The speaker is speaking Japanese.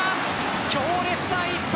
強烈な一発。